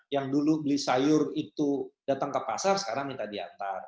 yang dulu beli sayur itu datang ke pasar sekarang minta diantar